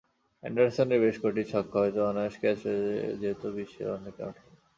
অ্যান্ডারসনের বেশ কটি ছক্কা হয়তো অনায়াস ক্যাচ হয়ে যেত বিশ্বের অনেক মাঠেই।